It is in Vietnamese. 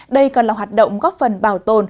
đây còn là hoạt động góp phần bảo tồn